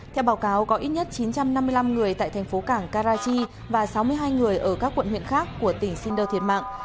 theo báo cáo có ít nhất chín trăm năm mươi năm người tại thành phố cảng karachi và sáu mươi hai người ở các quận huyện khác của tỉnh shinder thiệt mạng